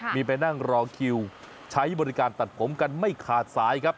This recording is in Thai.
มีไปนั่งรอคิวใช้บริการตัดผมกันไม่ขาดสายครับ